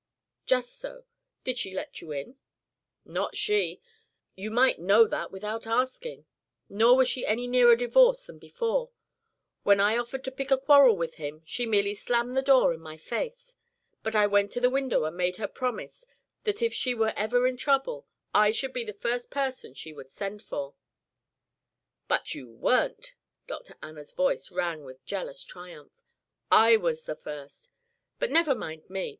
"Just so. Did she let you in?" "Not she. You might know that without asking. Nor was she any nearer divorce than before. When I offered to pick a quarrel with him, she merely slammed the door in my face. But I went to the window and made her promise that if she were ever in trouble I should be the first person she would send for " "But you weren't!" Dr. Anna's voice rang with jealous triumph. "I was the first. But never mind me.